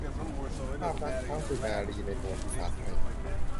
ภาพลักษณท้าวสุรนารีในประวัติศาสตร์ไทย